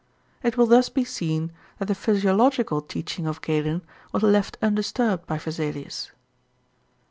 It will thus be seen that the physiological teaching of Galen was left undisturbed by Vesalius.